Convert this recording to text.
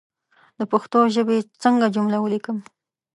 د پښتو ژبى څنګه جمله وليکم